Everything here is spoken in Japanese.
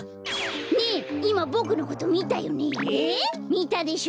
みたでしょ？